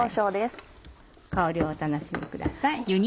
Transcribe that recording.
香りをお楽しみください。